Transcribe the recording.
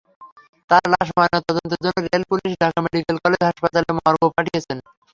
তাঁর লাশ ময়নাতদন্তের জন্য rail police Dhaka medical college হাসপাতাল মর্গে পাঠিয়েছে।